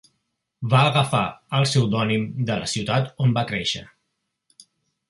Va agafar el seu pseudònim de la ciutat on va créixer.